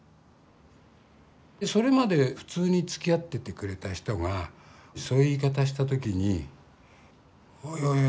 それまで普通につきあっててくれた人がそういう言い方したときにおいおいおいおい